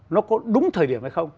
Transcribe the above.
nó có đúng thời điểm hay không